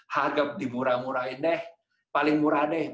harga dimurah murahin paling murah